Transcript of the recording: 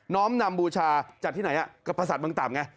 ้อมนำบูชาจัดที่ไหนกับภาษาเมืองต่ำไง